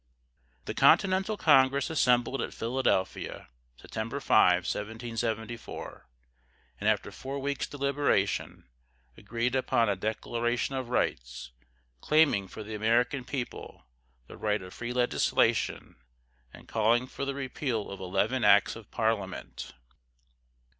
The Continental Congress assembled at Philadelphia, September 5, 1774, and, after four weeks' deliberation, agreed upon a declaration of rights, claiming for the American people the right of free legislation and calling for the repeal of eleven acts of Parliament.